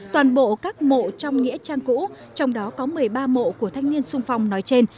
toàn bộ các mộ trong nghĩa trang cũ trong đó có một mươi ba mộ của thanh niên sung phong nói trên